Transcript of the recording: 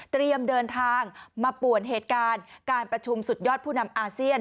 เดินทางมาป่วนเหตุการณ์การประชุมสุดยอดผู้นำอาเซียน